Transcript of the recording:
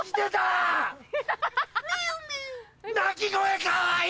鳴き声かわいい！